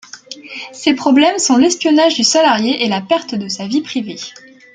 Ces problèmes sont l’espionnage du salarié et la perte de sa vie privée.